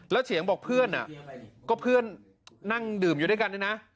แล้วเฉียงบอกเพื่อนก็เพื่อนนั่งดื่มอยู่ด้วยกันด้วยนะ